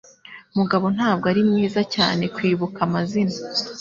Mugabo ntabwo ari mwiza cyane kwibuka amazina.